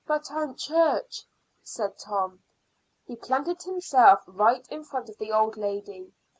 "But, Aunt Church " said Tom. He planted himself right in front of the old lady.